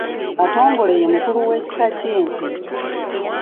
Katongole ye mukulu w’ekika ky’ente.